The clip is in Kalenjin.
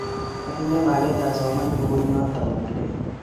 Otinye maget asoman bukuinotongung lel